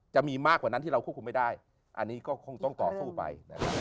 จะมีมากกว่านั้นที่เราควบคุมไม่ได้อันนี้ก็ต้องต่อเข้าไป